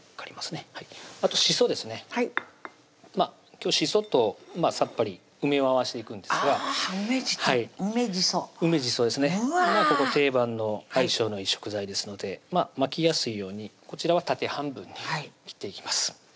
今日しそとさっぱり梅を合わしていくんですがあぁ梅じそ梅じそですねうわ定番の相性のいい食材ですので巻きやすいようにこちらは縦半分に切っていきます